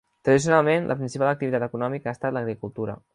Tradicionalment, la principal activitat econòmica ha estat l'agricultura.